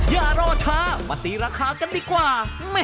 อย่ารอช้ามาตีราคากันดีกว่า